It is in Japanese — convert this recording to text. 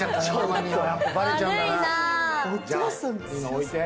置いて。